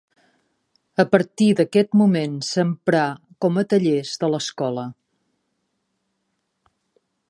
A partir d'aquest moment s'emprà com a tallers de l'escola.